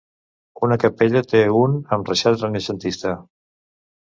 Una capella té un amb reixat renaixentista.